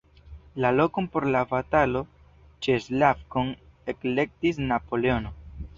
La lokon por la batalo ĉe Slavkov elektis Napoleono.